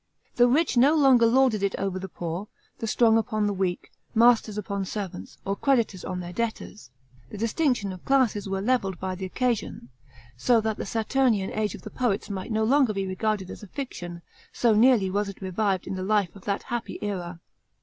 The rich no longer lorded it over the poor, the strong upon the weak, masters upon servants, or creditors on their debtors; the distinctions of classes were levelled by the occasion ; so that the Suturnian age of the poets might no longer be regarded as a fiction, so nearly was it revived in the life of that ha| py era."